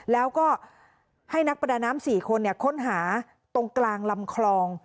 แล้วก็ให้นักประดาน้ำ๔คนค้นหาตรงกลางลำคลอง